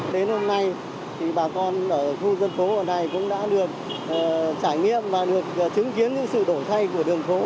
đến hôm nay thì bà con ở khu dân phố ở này cũng đã được trải nghiệm và được chứng kiến những sự đổi thay của đường phố